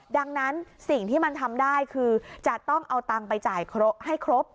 ดังนั้นสิ่งที่มันทำได้คือจะต้องเอาตังค์ไปจ่ายให้ครบ